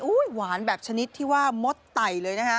อุ๊ยว่านแบบชนิดที่ว่ามดไตล์เลยนะฮะ